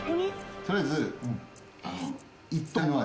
とりあえず。